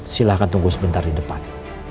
silahkan tunggu sebentar di depan